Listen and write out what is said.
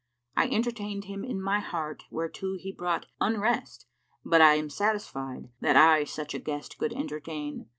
I entertained him in my heart whereto he brought unrest * But I am satisfied that I such guest could entertain.